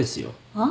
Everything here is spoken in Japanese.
あっ？